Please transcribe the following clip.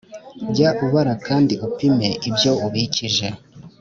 Jya ubara kandi upime ibyo ubikije,